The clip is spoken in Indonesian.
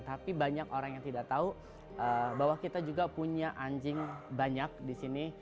tapi banyak orang yang tidak tahu bahwa kita juga punya anjing banyak di sini